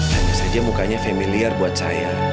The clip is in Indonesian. hanya saja mukanya familiar buat saya